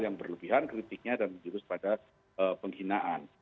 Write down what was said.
yang berlebihan kritiknya dan menjurus pada penghinaan